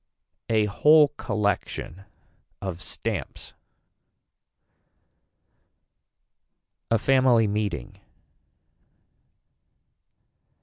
A whole collection of stamps. A family meeting.